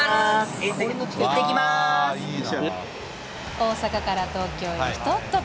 大阪から東京にひとっ飛び。